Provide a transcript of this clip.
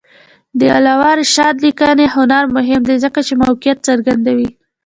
د علامه رشاد لیکنی هنر مهم دی ځکه چې موقعیت څرګندوي.